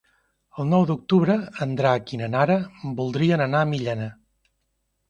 El nou d'octubre en Drac i na Nara voldrien anar a Millena.